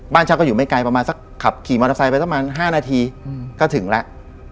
บ้านเช่าก็อยู่ไม่ไกลขับขี่มอเตอร์ไซต์ไปประมาณ๕นาทีก็ถึงแล้ว